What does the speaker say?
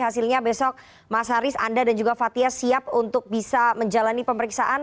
hasilnya besok mas haris anda dan juga fathia siap untuk bisa menjalani pemeriksaan